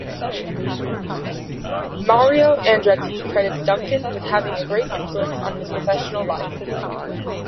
Mario Andretti credits Duncan with having a great influence on his professional life.